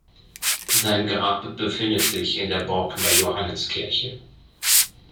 Sein Grab befindet sich in der Borkener Johanneskirche.